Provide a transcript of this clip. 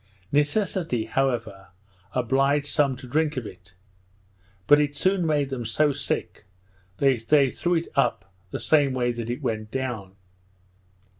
Necessity, however, obliged some to drink of it; but it soon made them so sick, that they threw it up the same way that it went down.